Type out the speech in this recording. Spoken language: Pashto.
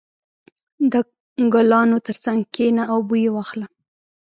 • د ګلانو تر څنګ کښېنه او بوی یې واخله.